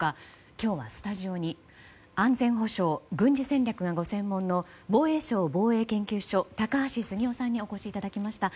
今日はスタジオに安全保障、軍事戦略がご専門の防衛省防衛研究所高橋杉雄さんにお越しいただきました。